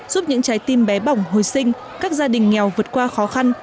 giúp những trái tim bé bỏng hồi sinh các gia đình nghèo vượt qua khó khăn